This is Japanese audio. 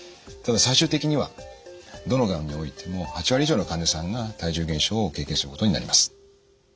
ただ最終的にはどのがんにおいても８割以上の患者さんが体重減少を経験することになります。